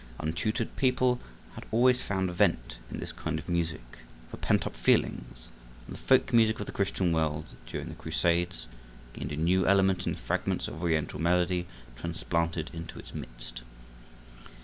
Untutored people had always found vent in this kind of music for pent up feelings, and the folk music of the Christian world, during the Crusades, gained a new element in the fragments of Oriental melody transplanted into its midst.